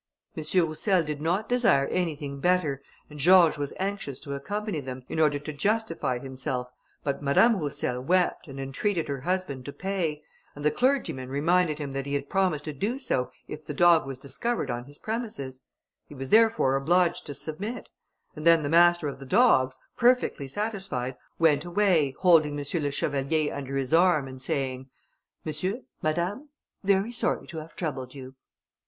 M. Roussel did not desire anything better, and George was anxious to accompany them, in order to justify himself, but Madame Roussel wept and entreated her husband to pay: and the clergyman reminded him that he had promised to do so if the dog was discovered on his premises: he was therefore obliged to submit; and then the master of the dogs, perfectly satisfied, went away, holding M. le Chevalier under his arm, and saying, "Monsieur, Madame, very sorry to have troubled you."